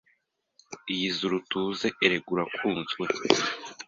Iyizire utuze erega urakunzwe !